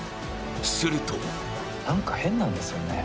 するとなんか変なんですよね。